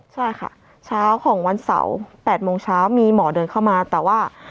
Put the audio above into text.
ใช่ค่ะเช้าของวันเสาร์๘โมงเช้ามีหมอเดินเข้ามาแต่ว่า